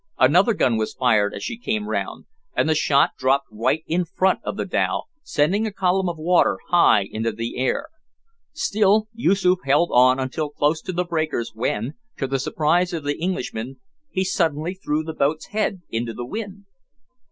Another gun was fired as she came round, and the shot dropped right in front of the dhow, sending a column of water high into the air. Still Yoosoof held on until close to the breakers, when, to the surprise of the Englishmen, he suddenly threw the boat's head into the wind.